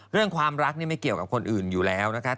เรื่องความรักนี่ไม่เกี่ยวกับคนอื่นอยู่แล้วนะครับ